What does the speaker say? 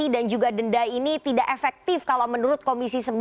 dan juga denda ini tidak efektif kalau menurut komisi sembilan